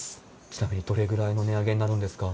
ちなみにどれぐらいの値上げになるんですか？